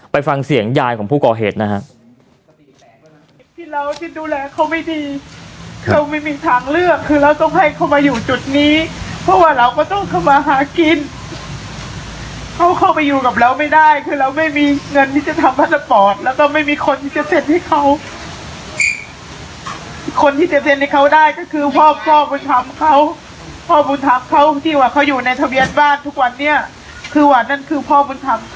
ไปฟังเสียงยายของผู้ก่อเหตุนะฮะ